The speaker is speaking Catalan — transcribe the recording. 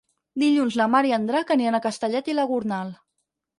Dilluns na Mar i en Drac aniran a Castellet i la Gornal.